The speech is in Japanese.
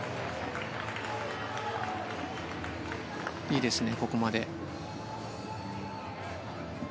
いいですね、ここまで。